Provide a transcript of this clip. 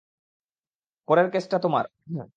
পরের কেসটা তোমার।